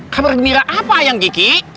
habar gembira apa ayang kiki